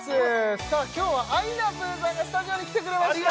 さあ今日はあいなぷぅさんがスタジオに来てくれました